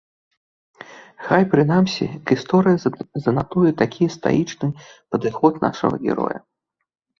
Хай прынамсі гісторыя занатуе такі стаічны падыход нашага героя.